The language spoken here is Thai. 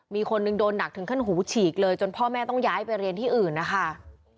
มีคนหนึ่งโดนหนักถึงขั้นหูฉีกเลยจนพ่อแม่ต้องย้ายไปเรียนที่อื่นนะคะ